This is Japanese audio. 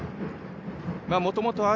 もともとあ